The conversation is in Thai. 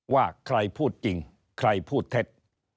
ว่าใครพูดจริงใครพูดเท็จ